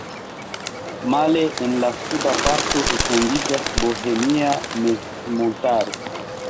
Male en la suda parto etendiĝas Bohemia mezmontaro.